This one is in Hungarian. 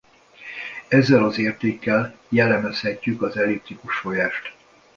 Ezzel az értékkel jellemezhetjük az elliptikus folyást.